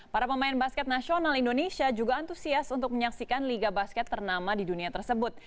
para pemain basket nasional indonesia juga antusias untuk menyaksikan liga basket ternama di dunia tersebut